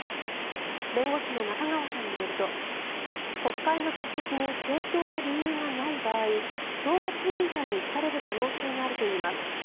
弁護士の中川さんによると国会の欠席に正当な理由がない場合懲罰委員会に付される可能性があるといいます。